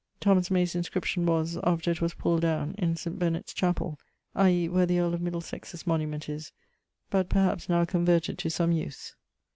Thomas May's inscription was, after it was pulled downe, in St. Bennet's chapell, i.e. where the earl of Middlesex's monument is: but perhaps now converted to some use.